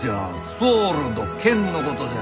ソールド剣のことじゃ。